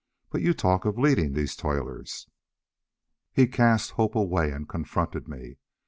But you talk of leading these toilers." He cast Hope away and confronted me.